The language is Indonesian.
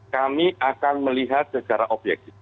kami akan melihat secara objektif